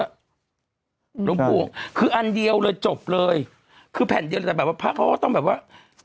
ถ้าลงโตพวกคืออันเดียวเลยจบเลยคือแผ่นเดียวแต่แบบเธอต้องแบบว่า